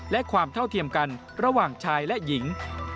และความเท่าเทียมกันระหว่างชายและหญิง